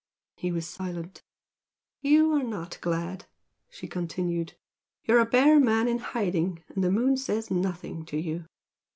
He was silent. "You are not glad!" she continued "You are a bear man in hiding, and the moon says nothing to you!"